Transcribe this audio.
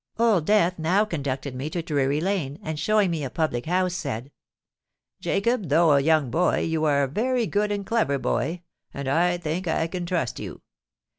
"Old Death now conducted me to Drury Lane, and showing me a public house, said, 'Jacob, though a young boy, you are a very good and clever boy, and I think I can trust you.